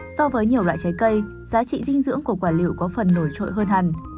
so với nhiều loại trái cây giá trị dinh dưỡng của quả liệu có phần nổi trội hơn hẳn